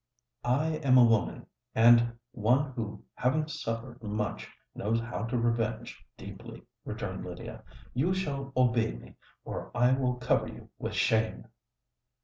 "I am a woman—and one who, having suffered much, knows how to revenge deeply," returned Lydia. "You shall obey me—or I will cover you with shame!"